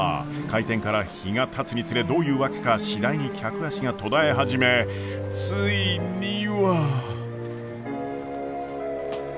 開店から日がたつにつれどういうわけか次第に客足が途絶え始めついには。